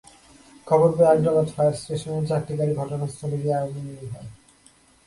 খবর পেয়ে আগ্রাবাদ ফায়ার স্টেশনের চারটি গাড়ি ঘটনাস্থলে গিয়ে আগুন নেভায়।